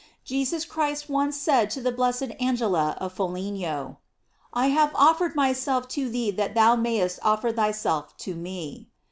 Jesus Christ once said to the blessed Angela of Foligno: "I have offered myself for thee that thou mayest offer thyself to me."